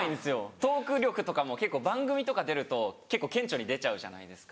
トーク力とかも結構番組とか出ると結構顕著に出ちゃうじゃないですか。